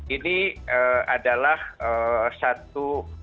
ini adalah satu